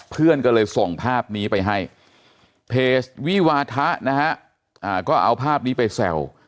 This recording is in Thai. เพื่อนก็เลยส่งภาพนี้ไปให้เพจวิวาทะนะฮะก็เอาภาพนี้ไปแซว